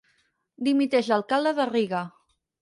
Dimiteix l'alcalde de Riga.